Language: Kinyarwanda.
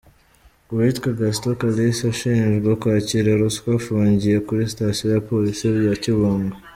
Uwitwa Gaston Kalisa, ushinjwa kwakira ruswa afungiye kuri sitasiyo ya Polisi ya Kibungo.